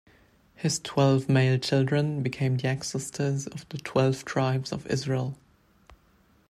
His twelve male children become the ancestors of the Twelve Tribes of Israel.